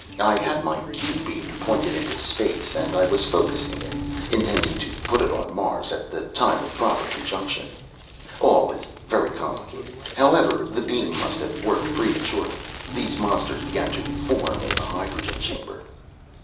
I had my Q beam pointed into space, and I was focussing it, intending to put it on Mars at the time of proper conjunction. All very complicated. However the beam must have worked prematurely. These monsters began to form in the hydrogen chamber."